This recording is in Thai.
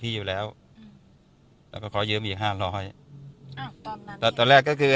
อยู่แล้วแล้วก็ขอยืมอีกห้าร้อยอ้าวตอนนั้นแล้วตอนแรกก็คือ